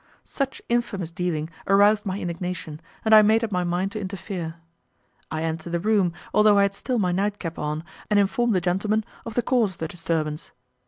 Such infamous dealing aroused my indignation, and I made up my mind to interfere. I enter the room, although I had still my nightcap on, and inform the gentleman of the cause of the disturbance.